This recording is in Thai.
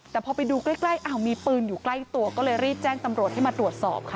แต่พอไปดูใกล้อ้าวมีปืนอยู่ใกล้ตัวก็เลยรีบแจ้งตำรวจให้มาตรวจสอบค่ะ